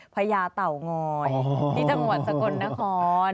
พญาเต่างอยที่จังหวัดสกลนคร